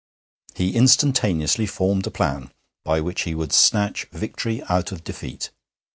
He instantaneously formed a plan by which he would snatch victory out of defeat.